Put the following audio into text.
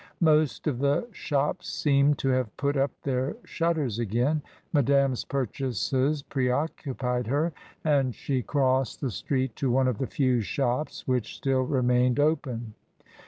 Most of the shops seemed to have put up their shutters again. Madame's purchases preoccupied her, and she crossed the street to one of the few shops which still remained open.